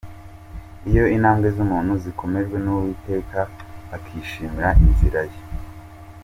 Iyo intambwe z’umuntu zikomejwe n’Uwiteka, Akishimira inzira ye